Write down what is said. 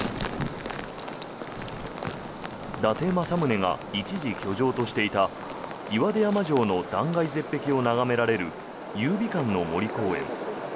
伊達政宗が一時居城としていた岩出山城の断崖絶壁を眺められる有備館の森公園。